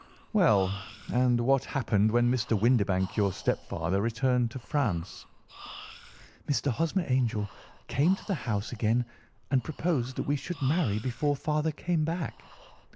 "Well, and what happened when Mr. Windibank, your stepfather, returned to France?" "Mr. Hosmer Angel came to the house again and proposed that we should marry before father came back.